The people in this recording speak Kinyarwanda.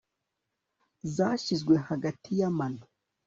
zashyizwe hagati yamano